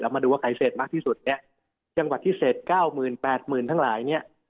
เอามาดูว่าใครเศษมากที่สุดเนี้ยจังหวัดที่เศษเก้าหมื่นแปดหมื่นทั้งหลายเนี้ย